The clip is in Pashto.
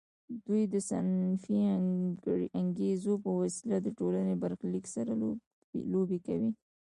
دوی د صنفي انګیزو په وسیله د ټولنې برخلیک سره لوبې کوي